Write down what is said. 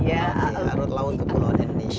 alur kelautan ke pulauan indonesia